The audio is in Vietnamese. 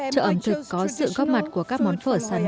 chợ ẩm thực có sự góp mặt của các món phở sắn